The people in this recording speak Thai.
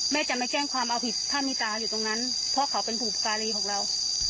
จะไม่แจ้งความเอาผิดถ้ามีตาอยู่ตรงนั้นเพราะเขาเป็นบุพการีของเรา